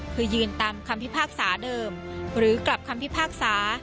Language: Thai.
คือยืนตามคำพิพากษาเดิมหรือกลับคำพิพากษา